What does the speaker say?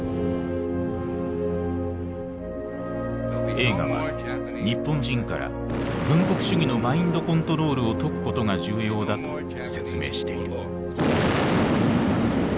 映画は日本人から軍国主義のマインドコントロールを解くことが重要だと説明している。